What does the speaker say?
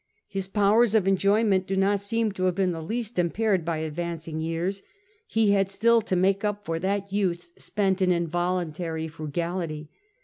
His powers of enjoyment do not seem to have been the least impaired by advancing years : he had still to make up for that youth spent in involuntary frugality.